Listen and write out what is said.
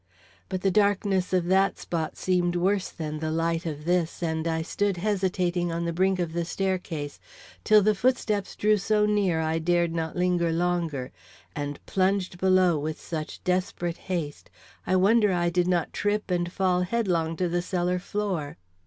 But the darkness of that spot seemed worse than the light of this, and I stood hesitating on the brink of the staircase till the footsteps drew so near I dared not linger longer, and plunged below with such desperate haste, I wonder I did not trip and fall headlong to the cellar floor.